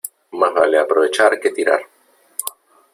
Más vale aprovechar que tirar.